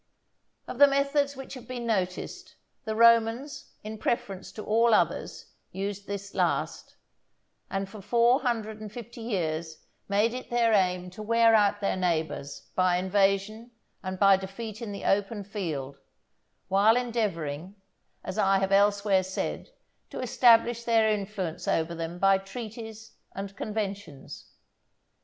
Of the methods which have been noticed, the Romans, in preference to all others, used this last; and for four hundred and fifty years made it their aim to wear out their neighbours by invasion and by defeat in the open field, while endeavouring, as I have elsewhere said, to establish their influence over them by treaties and conventions.